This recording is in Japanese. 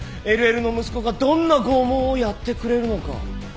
ＬＬの息子がどんな拷問をやってくれるのか。